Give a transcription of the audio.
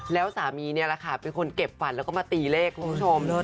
แล้วสามีนี่แหละค่ะเป็นคนเก็บฝันแล้วก็มาตีเลขคุณผู้ชม